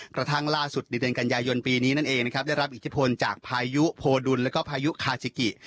กระทั่งล่าสุดในเดือนกันยายนปีนี้นั่นเองนะครับได้รับอิทธิพลจากพายุโพดุลแล้วก็พายุคาซิกิ